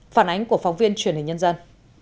phản ánh của phóng viên truyền hình nhân dân